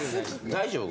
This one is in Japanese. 大丈夫？